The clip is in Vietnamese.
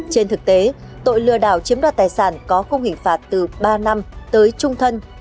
trên thực tế tội lừa đảo chiếm đoạt tài sản có khung hình phạt từ ba năm tới trung thân